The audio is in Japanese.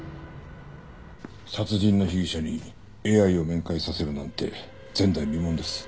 殺人の被疑者にＡＩを面会させるなんて前代未聞です。